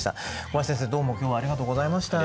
小林先生どうも今日はありがとうございました。